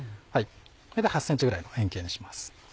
これで８ｃｍぐらいの円形にします。